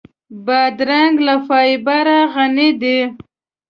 بادرنګ له فایبره غني دی.